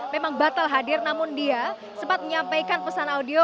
memang batal hadir namun dia sempat menyampaikan pesan audio